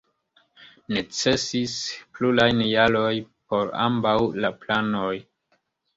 Necesis pluraj jaroj por ambaŭ la planoj.